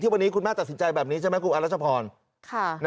ที่วันนี้คุณแม่ตัดสินใจแบบนี้ใช่ไหมครูอัลลัยภรณ์